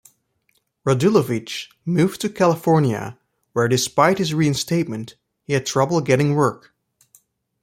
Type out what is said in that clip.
Radulovich moved to California where, despite his reinstatement, he had trouble getting work.